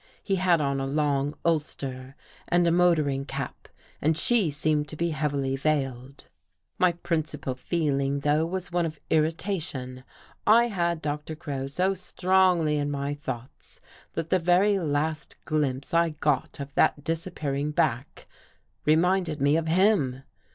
He had on a long ulster and a motoring cap and she seemed to be heavily veiled. My principal feeling though, was one of irrita tion. I had Doctqr Crow so strongly in my thoughts, that the very last glimpse I got of that disappearing back, reminded me of him.